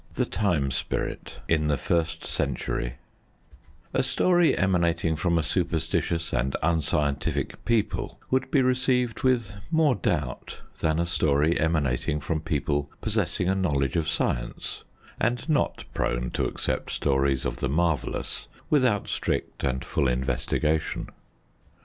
THE TIME SPIRIT IN THE FIRST CENTURY A story emanating from a superstitious and unscientific people would be received with more doubt than a story emanating from people possessing a knowledge of science, and not prone to accept stories of the marvellous without strict and full investigation.